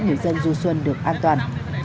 người dân du xuân được an toàn